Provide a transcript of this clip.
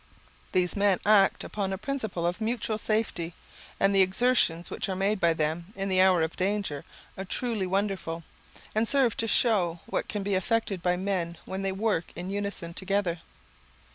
These men act upon a principle of mutual safety; and the exertions which are made by them, in the hour of danger, are truly wonderful, and serve to show what can be effected by men when they work in unison together.